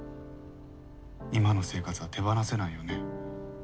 今の生活は手放せないよね。